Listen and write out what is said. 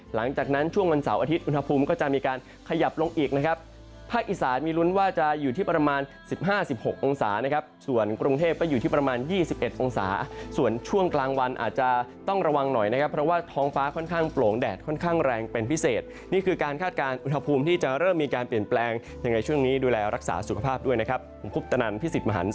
หลังจากนั้นช่วงวันเสาร์อาทิตย์อุทธภูมิก็จะมีการขยับลงอีกภาคอิสานมีลุ้นว่าจะอยู่ที่ประมาณ๑๕๑๖องศาส่วนกรุงเทพก็อยู่ที่ประมาณ๒๑องศาส่วนช่วงกลางวันอาจจะต้องระวังหน่อยนะครับเพราะว่าท้องฟ้าค่อนข้างโปร่งแดดค่อนข้างแรงเป็นพิเศษนี่คือการคาดการณ์อุทธภูมิที่จะเริ่